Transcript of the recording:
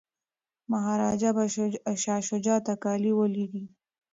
مهاراجا به شاه شجاع ته کالي ور لیږي.